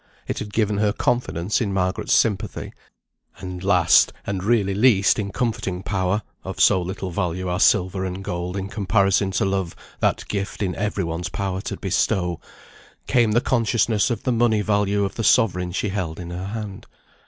It had given her confidence in Margaret's sympathy; and last, and really least in comforting power (of so little value are silver and gold in comparison to love, that gift in every one's power to bestow), came the consciousness of the money value of the sovereign she held in her hand.